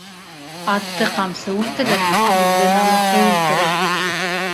Атты ҡамсы үлтерер, ирҙе намыҫы үлтерер.